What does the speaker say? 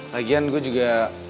lagian gue juga